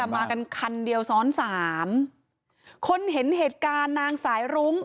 มากันคันเดียวซ้อนสามคนเห็นเหตุการณ์นางสายรุ้ง